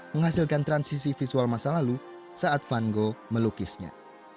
menghasilkan transisi visual masa lalu saat van go melukisnya